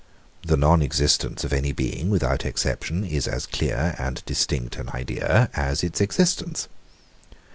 The non existence of any being, without exception, is as clear and distinct an idea as its existence.